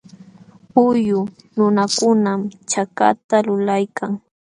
Ullqu nunakunam chakata lulaykan.